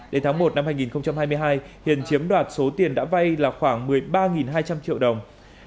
đến tháng một năm hai nghìn hai mươi hai hiền chiếm đoạt số tiền đã vay là khoảng một mươi ba hai trăm linh triệu đồng